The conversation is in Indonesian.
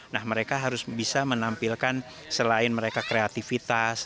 nah mereka harus bisa menampilkan selain mereka kreativitas